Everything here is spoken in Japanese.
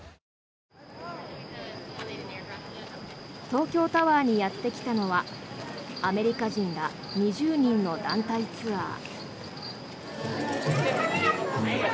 東京タワーにやってきたのはアメリカ人ら２０人の団体ツアー。